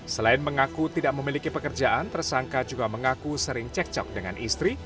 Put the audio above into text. selain mengaku tidak memiliki pekerjaan tersangka juga mengaku sering cekcok dengan istri